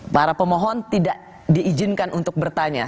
para pemohon tidak diizinkan untuk bertanya